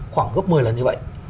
khoảng gấp một mươi lần như vậy